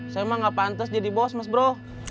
saya emang gak pantas jadi bos mas bro